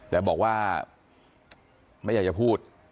แต่บอกว่าไม่อยากจะพูด